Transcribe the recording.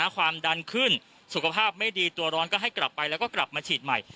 ความดันขึ้นสุขภาพไม่ดีตัวร้อนก็ให้กลับไปแล้วก็กลับมาฉีดใหม่